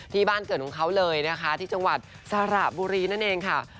ที่บ้านเกิดของเขาเลยนะคะที่จังหวัดสระบุรีนั่นเองค่ะ